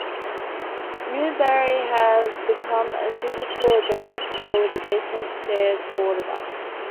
Newberry's has become a single-floor general store with the basement stairs boarded up.